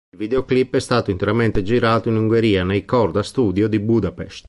Il videoclip è stato interamente girato in Ungheria nei Korda Studios di Budapest.